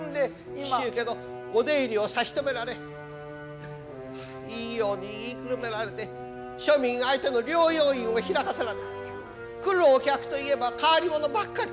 紀州家のお出入りを差し止められいいように言いくるめられて庶民相手の療養院を開かせられ来るお客といえば変わり者ばっかり。